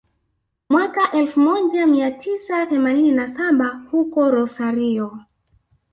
mwaka elfu moja mia tisa themanini na saba huko Rosario